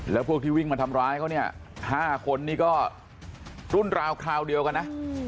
แล้วพวกที่วิ่งมาทำร้ายเขาเนี่ย๕คนนี่ก็รุ่นราวคราวเดียวกันนะ